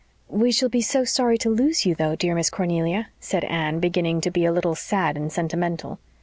"We shall be so sorry to lose you, though, dear Miss Cornelia," said Anne, beginning to be a little sad and sentimental.